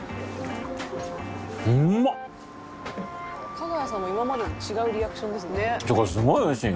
「かが屋さんも今までと違うリアクションですね」